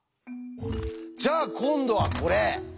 じゃあ今度はこれ。